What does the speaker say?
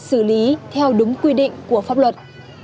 xử lý theo đúng quy định của pháp luật